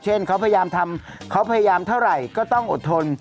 เขาพยายามทำเขาพยายามเท่าไหร่ก็ต้องอดทน